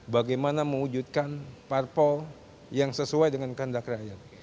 bagaimana mewujudkan parpol yang sesuai dengan kehendak rakyat